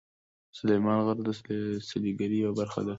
سلیمان غر د سیلګرۍ یوه برخه ده.